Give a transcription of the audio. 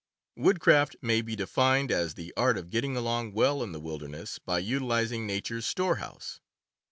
Woodcraft may be defined as the art of getting along well in the wilderness by utilizing nature's storehouse.